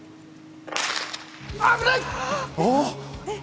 危ない！